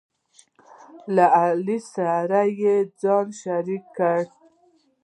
له علي سره یې ځان شریک کړ،